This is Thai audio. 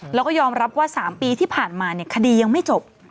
แล้วก็ยอมรับว่า๓ปีที่ผ่านมาคดียังไม่จบ